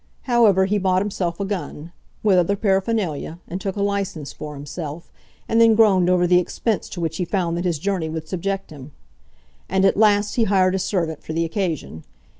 However, he bought himself a gun, with other paraphernalia, and took a license for himself, and then groaned over the expense to which he found that his journey would subject him. And at last he hired a servant for the occasion.